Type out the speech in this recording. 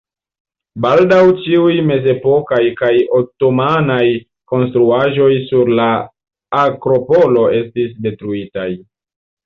Baldaŭ ĉiuj mezepokaj kaj otomanaj konstruaĵoj sur la Akropolo estis detruitaj.